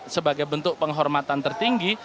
sebagai bentuk penghormatan tertinggi